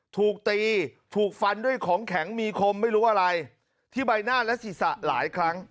ถูกตีถูกฟันด้วยของแข็งมีคมไม่รู้อะไรที่ใบหน้าและศีรษะหลายครั้ง